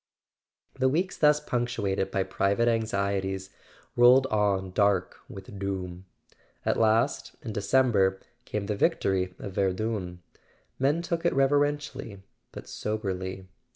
The weeks thus punctuated by private anxieties rolled on dark with doom. At last, in December, came the victory of Verdun. Men took it reverently but soberly.